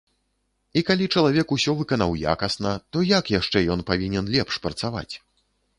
І, калі чалавек усё выканаў якасна, то як яшчэ ён павінен лепш працаваць?